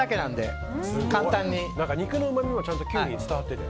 肉のうまみもちゃんとキュウリに伝わってて。